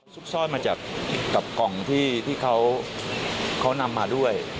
ซุกซ่อนมาจากกับกล่องที่เขานำมาด้วย